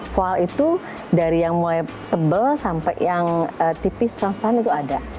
fual itu dari yang mulai tebal sampai yang tipis transfund itu ada